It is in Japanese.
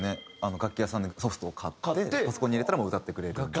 楽器屋さんでソフトを買ってパソコンに入れたらもう歌ってくれるんで。